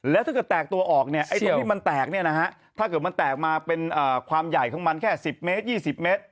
แล้วถ้าเกิดแตกตัวออกเนี่ยไอ้ตรงที่มันแตกเนี่ยนะฮะถ้าเกิดมันแตกมาเป็นความใหญ่ของมันแค่๑๐เมตร๒๐เมตร